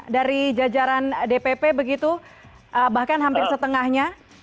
dari jajaran dpp begitu bahkan hampir setengahnya